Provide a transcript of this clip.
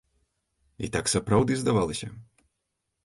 І так сапраўды здавалася.